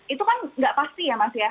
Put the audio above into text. itu kan gak pasti ya mbak felicia